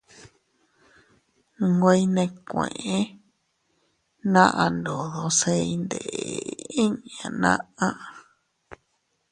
Nwe iynèkueʼe naʼa ndodo se iyndeʼe inña naʼa.